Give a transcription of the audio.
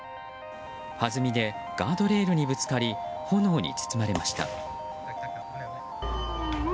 はずみでガードレールにぶつかり炎に包まれました。